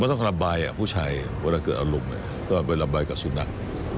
ต้องระบายผู้ชายเวลาเกิดอารมณ์ก็ไประบายกับสุนัข